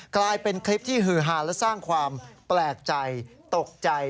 กลายเป็นคลิปที่ฮือฮาและสร้างความแปลกใจตกใจ